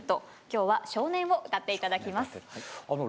今日は「少年」を歌って頂きます。